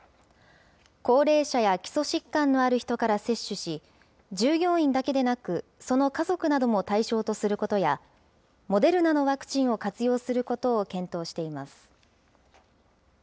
高齢者や基礎疾患のある人から接種し、従業員だけでなく、その家族なども対象とすることや、モデルナのワクチンを活用することを検討しています。